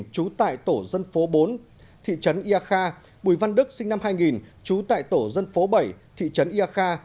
trú tại tổ dân phố bốn thị trấn ia kha bùi văn đức sinh năm hai nghìn trú tại tổ dân phố bảy thị trấn ia kha